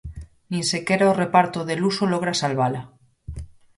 Nin sequera o reparto de luxo logra salvala.